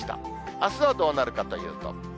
あすはどうなるかというと。